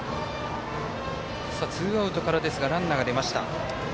ツーアウトからですがランナーが出ました。